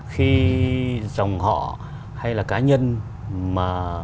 khi dòng họ hay là cá nhân mà